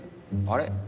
あれ？